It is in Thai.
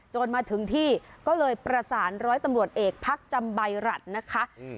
จนมาถึงที่ก็เลยประสานร้อยตำรวจเอกพักจำใบหรัฐนะคะ